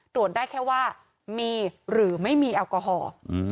ได้แค่ว่ามีหรือไม่มีแอลกอฮอล์